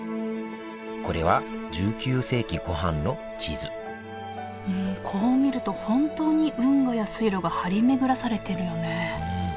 これは１９世紀後半の地図こう見ると本当に運河や水路が張り巡らされてるよね